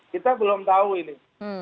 kita belum tahu ini